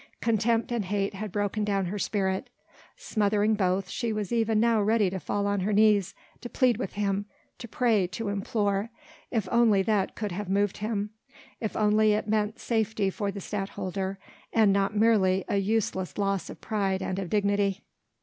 Contempt and hate had broken down her spirit. Smothering both, she was even now ready to fall on her knees, to plead with him, to pray, to implore ... if only that could have moved him ... if only it meant safety for the Stadtholder, and not merely a useless loss of pride and of dignity.